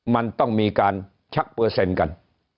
มันต้องมีการชักเปอร์เซ็นต์กัน